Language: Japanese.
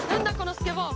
スッケボー！